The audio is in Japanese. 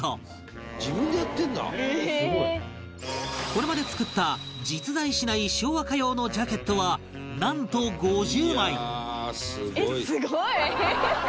これまで作った実在しない昭和歌謡のジャケットはなんと５０枚！